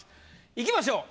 いきましょう。